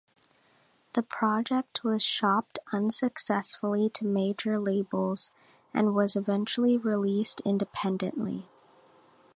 The project was shopped unsuccessfully to major labels, and was eventually released independently.